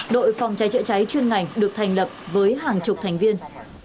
đội phòng trái trịa trái chuyên ngành được thành lập với hàng chục thành viên